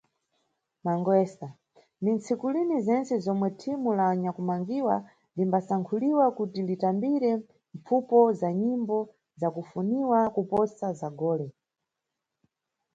Nangwesa, ni ntsikulini zentse zomwe thimu la anyakumangiwa limbasankhuliwa kuti litambire mpfupo za nyimbo za kufuniwa kuposa za gole.